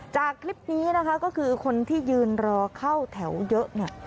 จากคลิปนี้นะคะก็คือคนที่ยืนรอเข้าแถวเยอะเนี่ย